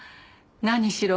何しろ